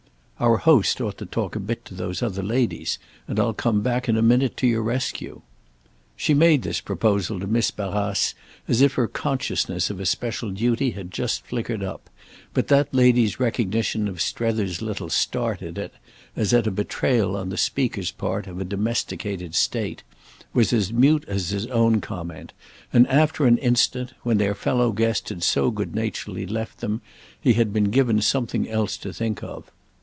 Our host ought to talk a bit to those other ladies, and I'll come back in a minute to your rescue." She made this proposal to Miss Barrace as if her consciousness of a special duty had just flickered up, but that lady's recognition of Strether's little start at it—as at a betrayal on the speaker's part of a domesticated state—was as mute as his own comment; and after an instant, when their fellow guest had good naturedly left them, he had been given something else to think of.